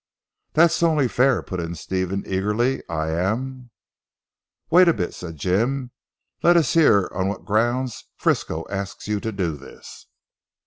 "That is only fair," put in Stephen eagerly, "I am " "Wait a bit," said Jim, "let us hear on what grounds Frisco asks you to do this."